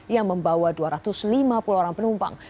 yang membawa dua ratus lima puluh orang penumpang